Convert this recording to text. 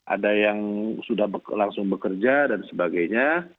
ada yang sudah langsung bekerja dan sebagainya